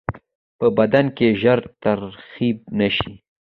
په بدن کې ژر تخریب نشي.